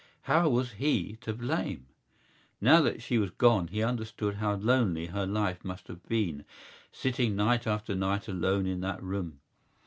How was he to blame? Now that she was gone he understood how lonely her life must have been, sitting night after night alone in that room.